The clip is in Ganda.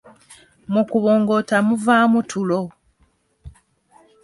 Mu kubongoota muvaamu tulo.